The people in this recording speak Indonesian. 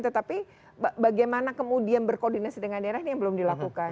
tetapi bagaimana kemudian berkoordinasi dengan daerah ini yang belum dilakukan